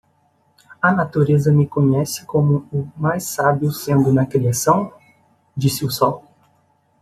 "A natureza me conhece como o mais sábio sendo na criação?", disse o sol.